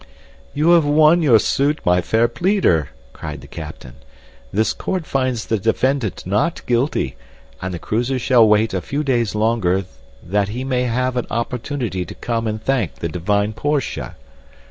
"You have won your suit, my fair pleader," cried the captain. "This court finds the defendant not guilty, and the cruiser shall wait a few days longer that he may have an opportunity to come and thank the divine Portia."